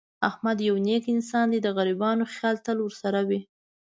احمد یو نېک انسان دی. د غریبانو خیال تل ورسره وي.